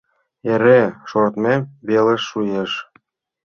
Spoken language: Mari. Эре шортмем вел шуэш.